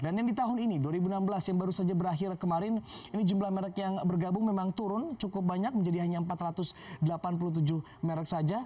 dan yang di tahun ini dua ribu enam belas yang baru saja berakhir kemarin ini jumlah merek yang bergabung memang turun cukup banyak menjadi hanya empat ratus delapan puluh tujuh merek saja